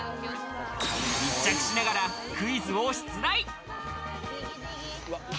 密着しながらクイズを出題。